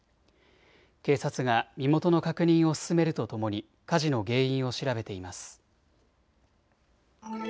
警察が身元の確認を進めるとともに火事の原因を調べています。